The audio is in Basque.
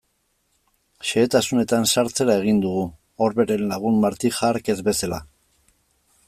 Xehetasunetan sartzera egin dugu, Orberen lagun Martija hark ez bezala.